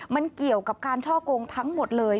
มันเกี่ยวกับการช่อกงทั้งหมดเลย